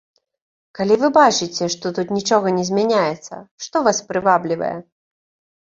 Калі вы бачыце, што тут нічога не змяняецца, што вас прываблівае?